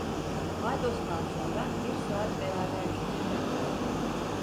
Paydostan sonra bir saat beraber çalışacaklardı.